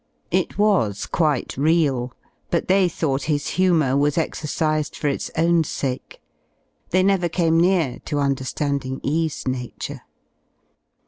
It was quite real, but they thought his humour was exercised 21 % i: for its own sake: they never came near to under^nding E 's nature.